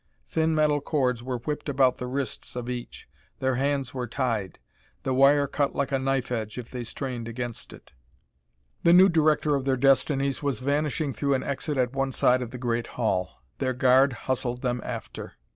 Thin metal cords were whipped about the wrists of each; their hands were tied. The wire cut like a knife edge if they strained against it. The new director of their destinies was vanishing through an exit at one side of the great hall; their guard hustled them after.